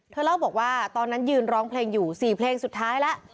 เล่าบอกว่าตอนนั้นยืนร้องเพลงอยู่๔เพลงสุดท้ายแล้ว